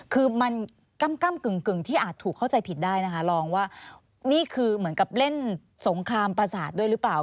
คือมันก้ำกึ่งที่อาจถูกเข้าใจผิดได้นะคะลองว่านี่คือเหมือนกับเล่นสงครามประสาทด้วยหรือเปล่า